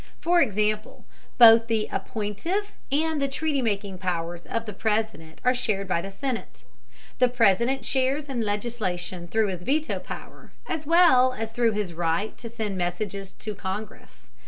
For example, both the appointive and the treaty making powers of the President are shared by the Senate. The President shares in legislation through his veto power, as well as through his right to send messages to Congress.